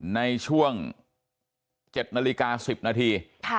ในช่วง๗นาฬิกา๑๐นาที